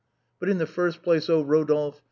But in the first place, oh, Eodolphe